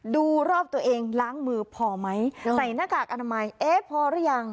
ดูรอบตัวเองล้างมือพอไหมใส่หน้ากากอนามัยเอ๊ะพอหรือยัง